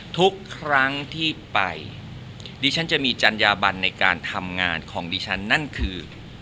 ทุกครั้งที่ไปดิฉันจะมีจัญญาบันในการทำงานของดิฉันนั่นคือ